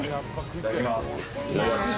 いただきます。